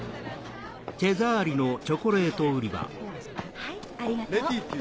はいありがとう。